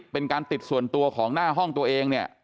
เป็นการติดส่วนตัวของหน้าห้องตัวเองเนี่ย